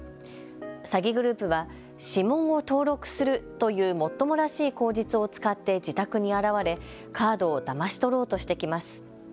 詐欺グループは指紋を登録するというもっともらしい口実を使って自宅に現れ、カードをだまし取ろうとしてきます。